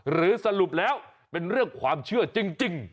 สรุปแล้วเป็นเรื่องความเชื่อจริง